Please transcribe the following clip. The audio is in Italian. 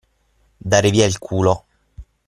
Dare via il culo.